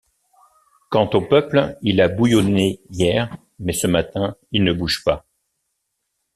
Quant au peuple, il a bouillonné hier, mais ce matin il ne bouge pas.